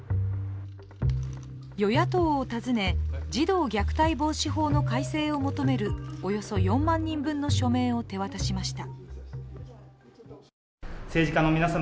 与野党を訪ね、児童虐待防止法の改正を求めるおよそ４万人分の署名を手渡しました。